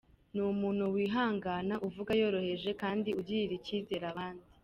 N umuntu wihangana, uvuga yoroheje kandi ugirira icyizere abandi.